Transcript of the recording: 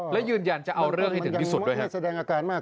และยืนยันจะเอาเรื่องให้ถึงที่สุดด้วยครับ